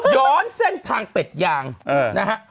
ย้อนเส้นทางเป็ดยางนะฮะ